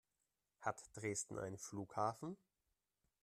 Hat Dresden einen Flughafen?